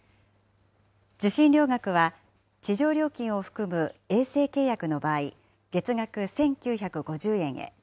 受信料額は、地上料金を含む衛星契約の場合、月額１９５０円へ。